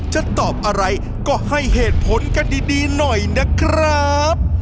จะตอบอะไรก็ให้เหตุผลกันดีหน่อยนะครับ